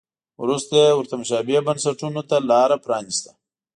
وروسته یې ورته مشابه بنسټونو ته لار پرانیسته.